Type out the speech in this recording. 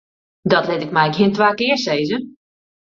Dat liet ik my gjin twa kear sizze.